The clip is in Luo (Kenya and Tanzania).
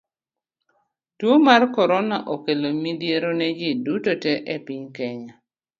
Tuo mar korona okelo midhiero ne ji duto te e piny Kenya.